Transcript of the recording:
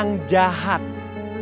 saya antar ya